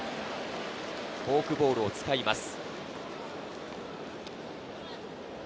フォークボールを使います。